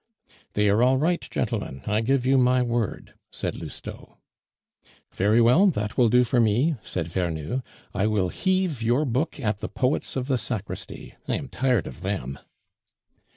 "They are all right, gentlemen; I give you my word," said Lousteau. "Very well, that will do for me," said Vernou; "I will heave your book at the poets of the sacristy; I am tired of them."